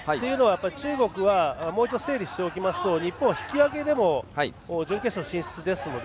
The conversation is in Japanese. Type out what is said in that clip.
中国はもう一度整理しておきますと日本は引き分けでも準決勝進出ですので。